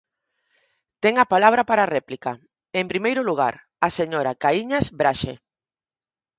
Ten a palabra para réplica, en primeiro lugar, a señora Caíñas Braxe.